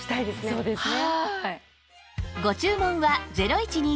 そうですね。